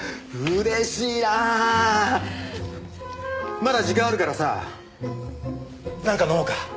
まだ時間あるからさなんか飲もうか？